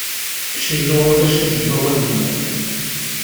Kennu ulac-it deg umawal-nneɣ.